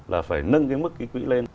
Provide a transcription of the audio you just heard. là phải nâng cái mức ký quỹ lên